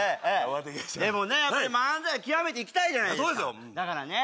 やっぱり漫才極めていきたいじゃないですかだからね